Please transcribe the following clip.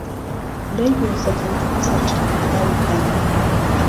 لای گوێزهکان سهرچاوهی ئاو و کانی